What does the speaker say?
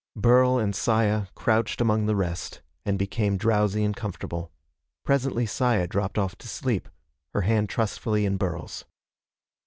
Burl and Saya crouched among the rest, and became drowsy and comfortable. Presently Saya dropped off to sleep, her hand trustfully in Burl's.